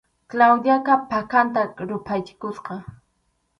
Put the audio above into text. Claudiaqa phakanta ruphachikusqa.